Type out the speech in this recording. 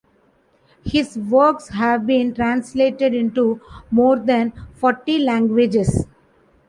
His works have been translated into more than forty languages.